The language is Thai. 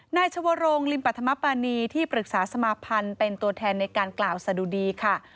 นายชวรงลิมปัธมปานีที่ปรึกษาสมาพันธ์เป็นตัวแทนในการกล่าวสะดุดีค่ะ